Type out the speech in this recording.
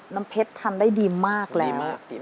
น้ำเพชรทำได้ดีมากเลย